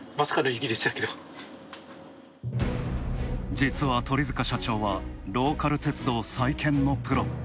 実は鳥塚社長は、ローカル鉄道再建のプロ。